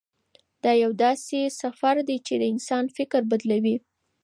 دا یو داسې سفر دی چې د انسان فکر بدلوي.